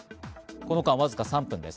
この間わずか３分です。